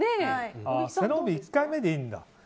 背伸び、１回目でいいんだ。